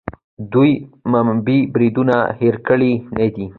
دوی د ممبۍ بریدونه هیر کړي نه دي.